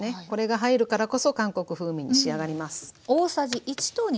これが入るからこそ韓国風味に仕上がります。